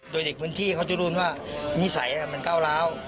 โดยเด็กพื้นที่เขาจะรู้ว่านิสัยมันก้าวร้าว